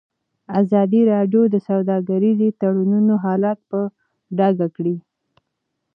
ازادي راډیو د سوداګریز تړونونه حالت په ډاګه کړی.